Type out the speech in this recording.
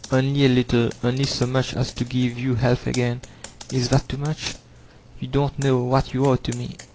Only a little, only so much as to give you health again; is that too much? You don't know what you are to me.